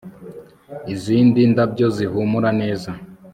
Izi ndabyo zihumura neza